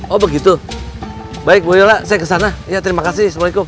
oh begitu baik bu yola saya kesana ya terima kasih assalamualaikum